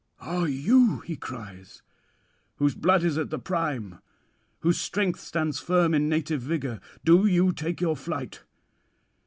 '"Ah, you," he cries, "whose blood is at the prime, whose strength stands firm in native vigour, do you take your flight.